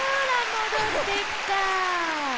帰ってきた。